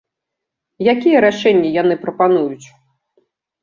Якія рашэнні яны прапануюць?